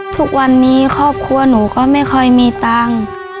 ทุกวันนี้ครอบครัวหนูก็ไม่ค่อยมีตังค์